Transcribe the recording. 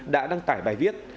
đã đăng tải bài viết